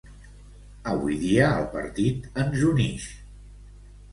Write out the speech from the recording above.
Avui dia el Partit ens unix.